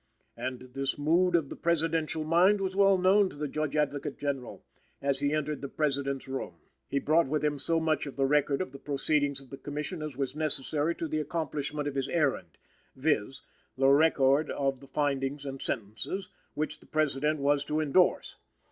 And this mood of the presidential mind was well known to the Judge Advocate General, as he entered the President's room. He brought with him so much of the record of the proceedings of the Commission as was necessary to the accomplishment of his errand viz.: the record of the findings and sentences, which the President was to endorse.